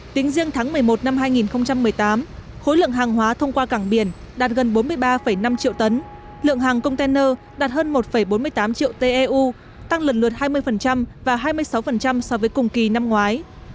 tính riêng tháng một mươi một năm hai nghìn một mươi tám khối lượng hàng hóa thông qua cảng biển đạt gần bốn mươi ba năm triệu tấn lượng hàng container đạt hơn một bốn mươi tám triệu teu tăng lần lượt hai mươi và hai mươi sáu so với cùng kỳ năm ngoái